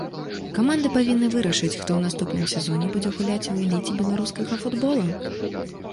Каманды павінны вырашыць, хто ў наступным сезоне будзе гуляць у эліце беларускага футбола.